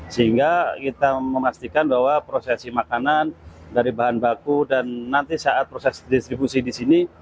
sehingga kita memastikan bahwa prosesi makanan dari bahan baku dan nanti saat proses distribusi di sini